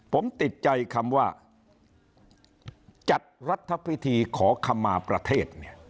ผมติดใจคำว่าจัดรัฐพิธีขอขมาประเทศ